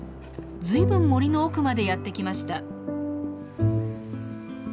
ずいぶん森の奥までやってきました。